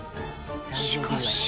しかし。